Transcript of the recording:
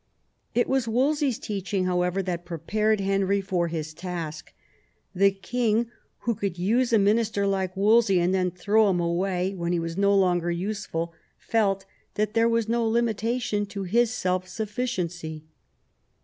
It was Wolsey's teaching, however, that prepared Henry for his task. The king who could use a minister like Wolsey and then throw him away when he was no. longer useful, felt that there was no limitation to his self sufficiency.